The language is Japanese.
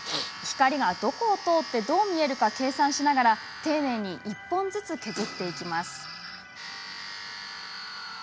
光がどこを通って、どう見えるか計算しながら丁寧に１本ずつ削っていきます。